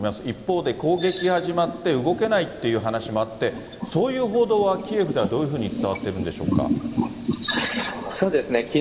一方で攻撃が始まって、動けないっていう話もあって、そういう報道はキエフではどういうふうに伝わっているんでしょうそうですね。